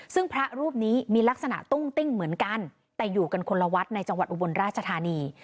ซึ่งพระรูปนี้มีลักษณะตุ้งติ้งเหมือนกันแต่อยู่กันคนละวัดในจังหวัดอุบลราชธานี